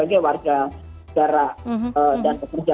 aku juga nenggoy dong